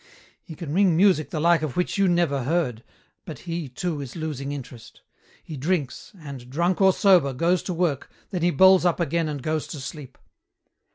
He can ring music the like of which you never heard, but he, too, is losing interest. He drinks, and, drunk or sober, goes to work, then he bowls up again and goes to sleep.